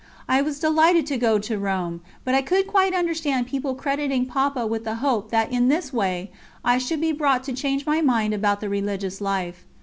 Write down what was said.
I was delighted to go to Rome; but I could quite understand people crediting Papa with the hope that in this way I should be brought to change my mind about the religious life.